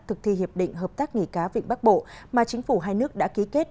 thực thi hiệp định hợp tác nghề cá vịnh bắc bộ mà chính phủ hai nước đã ký kết